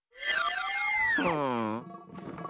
うん。